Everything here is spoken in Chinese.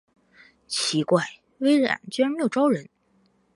奇怪，微软居然没有招人